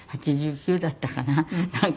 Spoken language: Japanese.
８９だったかな？